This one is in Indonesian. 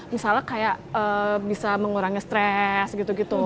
misalnya kayak bisa mengurangi stres gitu gitu